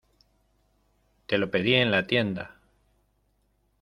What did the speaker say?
¡ Te lo pedí en la tienda!